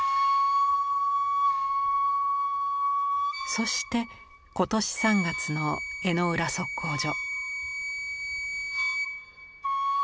そして今年３月の江之浦測候所。